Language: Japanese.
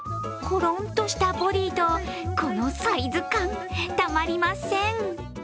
コロンとししたボディーとこのサイズ感、たまりません。